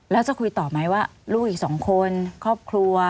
แล้วจะคุยต่อไหมว่าลูกอีก๒คนครอบครัว